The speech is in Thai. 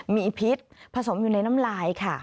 มีพิษผสมอยู่ในน้ำลายค่ะ